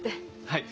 はい。